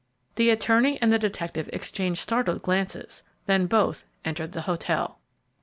The attorney and the detective exchanged startled glances, then both entered the hotel.